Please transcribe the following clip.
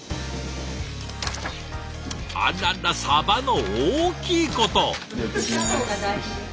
あららサバの大きいこと！